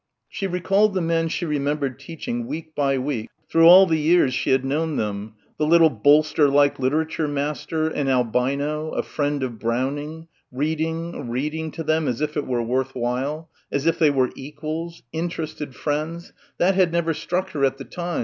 She recalled the men she remembered teaching week by week through all the years she had known them ... the little bolster like literature master, an albino, a friend of Browning, reading, reading to them as if it were worth while, as if they were equals ... interested friends that had never struck her at the time....